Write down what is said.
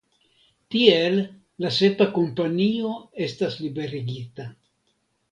Tiel la sepa kompanio estas liberigita.